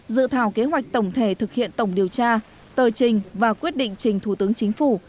dự thảo kế hoạch tổng thể thực hiện tổng điều tra tờ trình và quyết định trình thủ tướng chính phủ